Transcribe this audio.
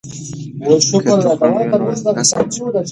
که تخم وي نو نسل نه ورکېږي.